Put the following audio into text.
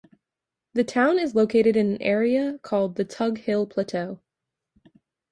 The town is located in an area called the Tug Hill Plateau.